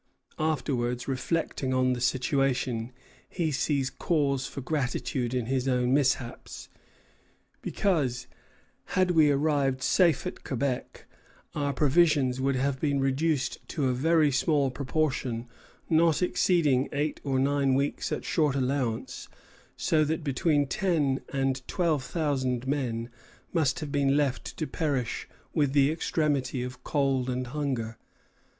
Afterwards, reflecting on the situation, he sees cause for gratitude in his own mishaps; "because, had we arrived safe at Quebec, our provisions would have been reduced to a very small proportion, not exceeding eight or nine weeks at short allowance, so that between ten and twelve thousand men must have been left to perish with the extremity of cold and hunger.